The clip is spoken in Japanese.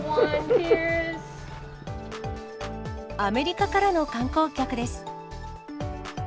アメリカからの観光客です。